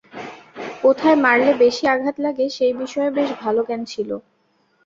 কোথায় মারলে বেশি আঘাত লাগে সেই বিষয়ে বেশ ভালো জ্ঞান ছিল।